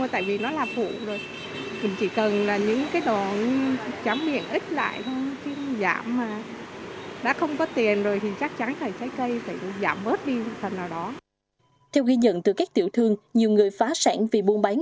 theo ghi nhận từ các tiểu thương nhiều người phá sản vì buôn bán